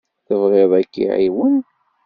Tebɣiḍ ad k-iɛawen?